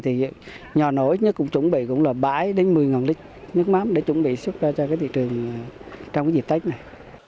thì nhỏ nổi nó cũng chuẩn bị cũng là bảy một mươi lít nước mắm để chuẩn bị xuất ra cho cái thị trường trong cái dịp tết này